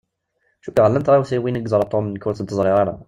Cukkeɣ llan tɣawsiwin i yeẓṛa Tom nekk ur tent-ẓṛiɣ ara.